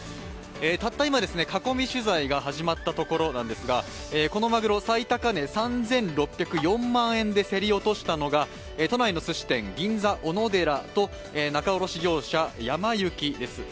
たった今、囲み取材が始まったところなんですが、このまぐろ、最高値３６０４万円で競り落としたのが都内のすし店・銀座おのでらと仲卸業者・やま幸です。